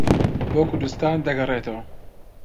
بۆ کوردستان دەگەڕێتەوە